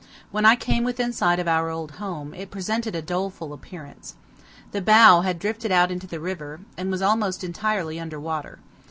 When I came within sight of our old home, it presented a doleful appearance. The bow had drifted out into the river, and was almost entirely under water.